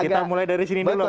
kita mulai dari sini dulu